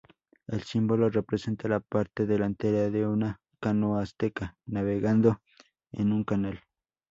El símbolo representa la parte delantera de una canoa azteca navegando en un canal.